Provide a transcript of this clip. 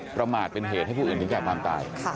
ประมาทเป็นเหตุให้ผู้อื่นถึงแก่ความตาย